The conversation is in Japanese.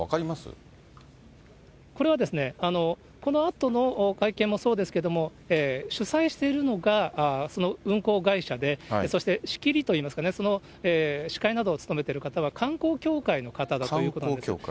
これは、このあとの会見もそうですけれども、主催しているのがその運航会社で、そして仕切りと言いますかね、司会などを務めている方は、観光協会の方だということです。